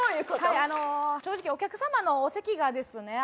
はいあの正直お客様のお席がですね